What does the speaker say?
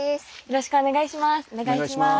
よろしくお願いします。